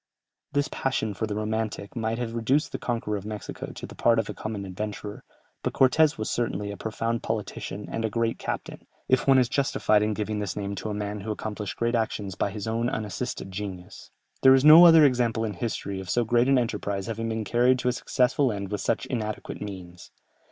This passion for the romantic might have reduced the conqueror of Mexico to the part of a common adventurer, but Cortès was certainly a profound politician and a great captain, if one is justified in giving this name to a man who accomplished great actions by his own unassisted genius. There is no other example in history of so great an enterprise having been carried to a successful end with such inadequate means.